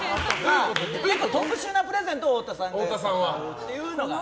特殊なプレゼントを太田さんは贈るっていうのは。